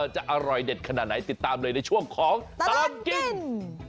จะอร่อยเด็ดขนาดไหนติดตามเลยในช่วงของตลอดกิน